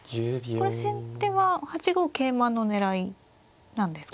これ先手は８五桂馬の狙いなんですか。